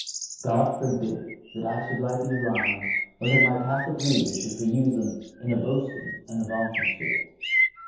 God forbid that I should write these lines, or that my Catholic readers should peruse them in a boasting and vaunting spirit.